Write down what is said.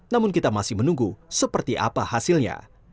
namun kita masih menunggu seperti apa hasilnya